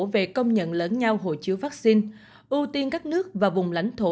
về công nhận lẫn nhau hộ chiếu vaccine ưu tiên các nước và vùng lãnh thổ